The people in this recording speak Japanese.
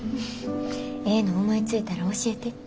ええの思いついたら教えて。